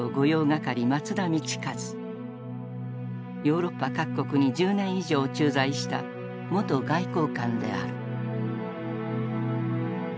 ヨーロッパ各国に１０年以上駐在した元外交官である。